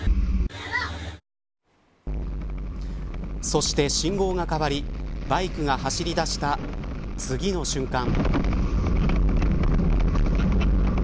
そして信号が変わりバイクが走り出した次の瞬間。